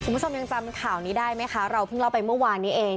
คุณผู้ชมยังจำข่าวนี้ได้ไหมคะเราเพิ่งเล่าไปเมื่อวานนี้เอง